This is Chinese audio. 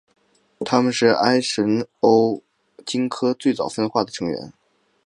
它们是艾什欧鲸科最早分化的成员。